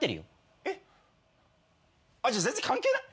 えっ？あっじゃあ全然関係ない？